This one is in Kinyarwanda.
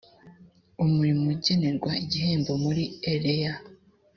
umurimo ugenerwa igihembo muri rlea